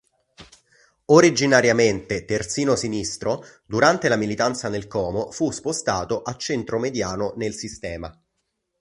Originariamente terzino sinistro, durante la militanza nel Como fu spostato a centromediano nel sistema.